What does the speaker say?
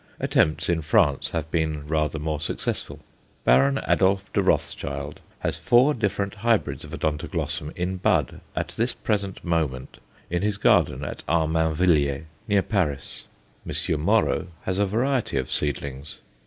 Attempts in France have been rather more successful. Baron Adolf de Rothschild has four different hybrids of Odontoglossum in bud at this present moment in his garden at Armainvilliers, near Paris. M. Moreau has a variety of seedlings.